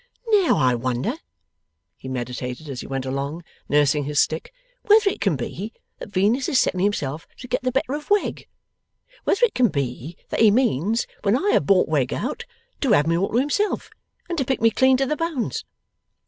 'Now, I wonder,' he meditated as he went along, nursing his stick, 'whether it can be, that Venus is setting himself to get the better of Wegg? Whether it can be, that he means, when I have bought Wegg out, to have me all to himself and to pick me clean to the bones!